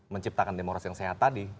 menciptakan demokrasi yang sehat tadi